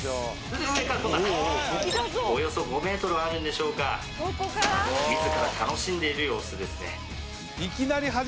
上から飛んだおよそ５ｍあるんでしょうかさあ自ら楽しんでいる様子ですね